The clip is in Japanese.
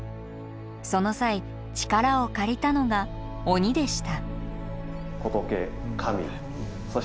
その際力を借りたのが鬼でした。